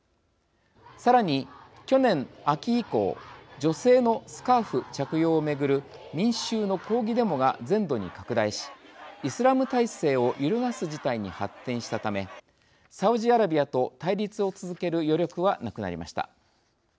さらに、去年秋以降女性のスカーフ着用を巡る民衆の抗議デモが全土に拡大しイスラム体制を揺るがす事態に発展したためサウジアラビアと対立を続ける余力はなくなりました。